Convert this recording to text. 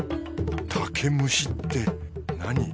竹虫って何？